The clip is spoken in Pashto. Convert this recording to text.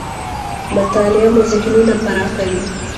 مطالعه مو ذهنونه پراخوي .